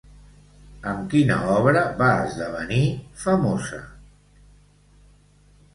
Amb quina obra va esdevenir famosa?